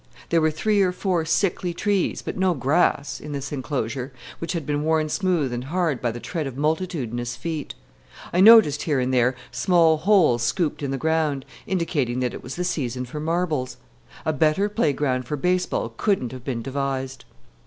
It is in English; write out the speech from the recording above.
There were three or four sickly trees, but no grass, in this enclosure, which had been worn smooth and hard by the tread of multitudinous feet. I noticed here and there small holes scooped in the ground, indicating that it was the season for marbles. A better playground for baseball couldn't have been devised.